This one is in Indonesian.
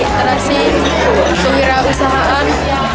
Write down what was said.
toleransi pengiraan usahaan